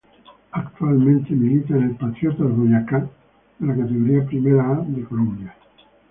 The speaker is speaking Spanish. Actualmente milita en el Patriotas Boyacá de la Categoría Primera A de Colombia.